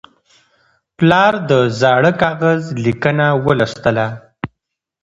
پلار د زاړه کاغذ لیکنه ولوستله.